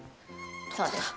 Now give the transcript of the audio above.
そうです。